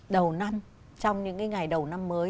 đầu năm trong những ngày đầu năm mới